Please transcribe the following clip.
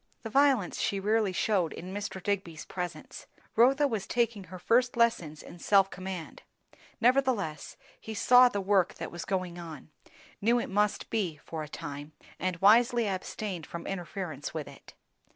The violence she rarely shewed in Mr. Digby's presence; Rotha was taking her first lessons in self command; nevertheless he saw the work that was going on, knew it must be, for a time, and wisely abstained from interference with it.